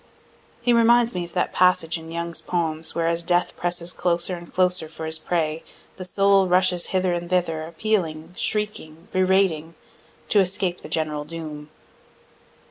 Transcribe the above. He reminds me of that passage in Young's poems where as death presses closer and closer for his prey, the soul rushes hither and thither, appealing, shrieking, berating, to escape the general doom.